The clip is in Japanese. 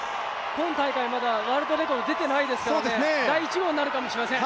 今大会まだワールドレコード出てませんから第１号になるかもしれません。